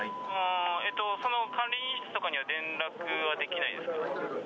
えっと、その管理人室とかには連絡はできないですか？